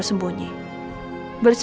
kue itu yang ngirim elsa